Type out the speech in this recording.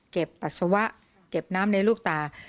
ปัสสาวะเก็บน้ำในลูกตา